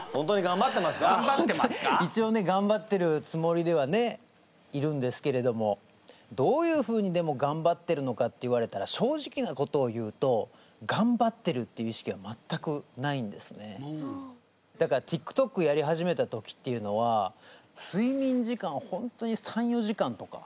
一応ね頑張ってるつもりではねいるんですけれどもどういうふうにでも頑張ってるのかって言われたら正直なことを言うとだからティックトックやり始めた時っていうのは睡眠時間ホントに３４時間とか。